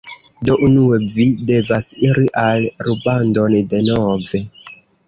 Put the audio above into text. Do unue vi devas iri al rubandon denove